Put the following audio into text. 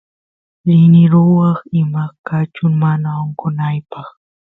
rini ruwaq imaqkachun mana onqonaypaq